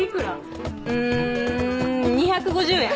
うーん２５０円